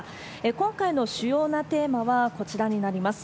今回の主要なテーマはこちらになります。